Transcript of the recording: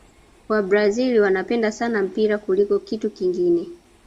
wabrazil wanapenda sana mpira kuliko kitu kingine